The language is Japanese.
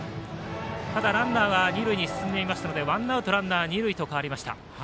ただ、ランナーは二塁に進んでいますのでワンアウト、ランナー二塁と変わりました。